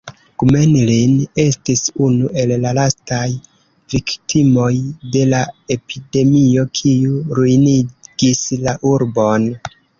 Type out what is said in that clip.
Gmelin estis unu el la lastaj viktimoj de la epidemio kiu ruinigis la urbon.